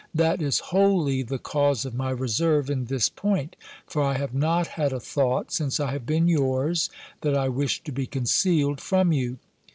That is wholly the cause of my reserve in this point; for I have not had a thought, since I have been yours, that I wished to be concealed from you.